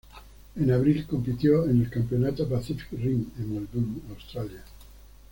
En abril compitió en el Campeonato Pacific Rim en Melbourne, Australia.